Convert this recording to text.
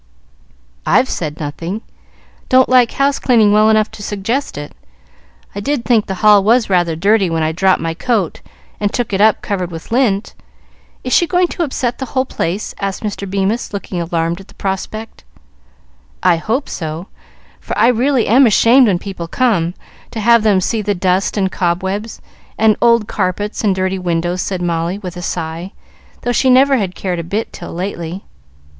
"I've said nothing. Don't like house cleaning well enough to suggest it. I did think the hall was rather dirty when I dropped my coat and took it up covered with lint. Is she going to upset the whole place?" asked Mr. Bemis, looking alarmed at the prospect. "I hope so, for I really am ashamed when people come, to have them see the dust and cobwebs, and old carpets and dirty windows," said Molly, with a sigh, though she never had cared a bit till lately.